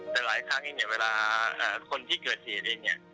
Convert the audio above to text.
แต่หลายครั้งเองเนี่ยเวลาคนที่เกิดเหตุเองเนี่ย